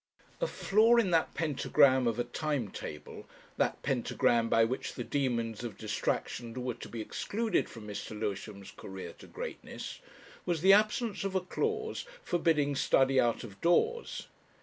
A flaw in that pentagram of a time table, that pentagram by which the demons of distraction were to be excluded from Mr. Lewisham's career to Greatness, was the absence of a clause forbidding study out of doors.